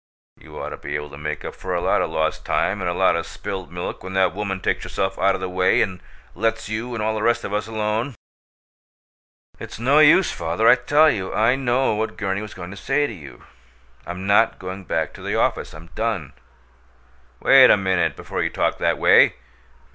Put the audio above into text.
You ought to be able to make up for a lot o' lost time and a lot o' spilt milk when that woman takes herself out o' the way and lets you and all the rest of us alone." "It's no use, father, I tell you. I know what Gurney was going to say to you. I'm not going back to the office. I'm DONE!" "Wait a minute before you talk that way!"